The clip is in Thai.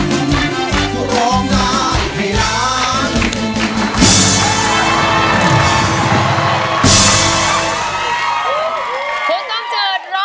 ตอนนี้รับแล้วค่ะ